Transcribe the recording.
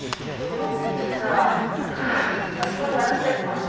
実は私も迷ってるから